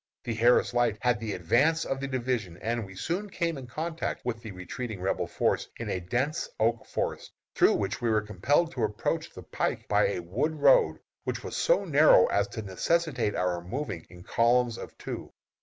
The Harris Light had the advance of the division, and we soon came in contact with the retreating Rebel force in a dense oak forest, through which we were compelled to approach the pike by a wood road, which was so narrow as to necessitate our moving in columns of twos.